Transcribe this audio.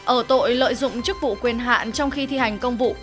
ở tội lợi dụng chức vụ quyền hạn trong khi thi hành công vụ